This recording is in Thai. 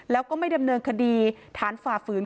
แล้วก็ไม่ดำเนินคดีฐานฝ่าฝืน